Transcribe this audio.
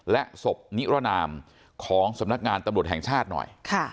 และศพนิรนามของสำนักงานตำรวจแห่งชาติหน่อย